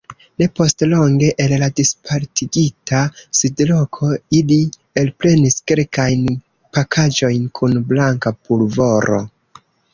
Ne postlonge el la dispartigita sidloko ili elprenis kelkajn pakaĵojn kun blanka pulvoro.